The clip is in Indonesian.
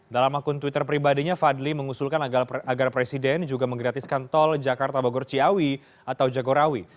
dalam akun twitter pribadinya fadli mengusulkan agar presiden juga menggratiskan tol jakarta bogor ciawi atau jagorawi